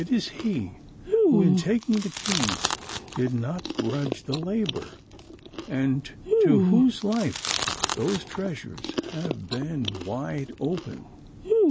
It is he who in taking the keys did not grudge the labor, and to whose life those treasures have been wide open.